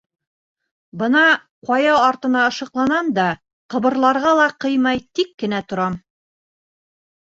— Бына ҡая артына ышыҡланам да ҡыбырларға ла ҡыймай тик кенә торам.